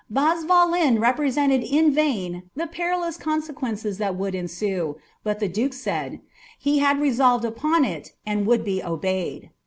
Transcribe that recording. Bazvalen represented in vain the perilous consequences that would ensue ; but the duke said, ^ he had resolved upon it, and would be obeyed.'